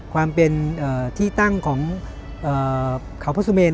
ความเป็นที่ตั้งของเขาพระสุเมน